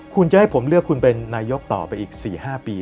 คุณจะให้ผมเลือกคุณเป็นนายกต่อไปอีก๔๕ปี